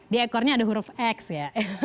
di ekornya ada huruf x ya